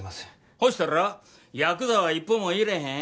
そしたらヤクザは一歩も入れへん。